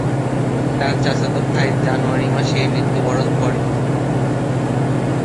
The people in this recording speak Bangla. তার চাচাতো ভাই জানুয়ারি মাসে মৃত্যুবরণ করে।